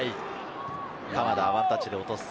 鎌田、ワンタッチで落とす。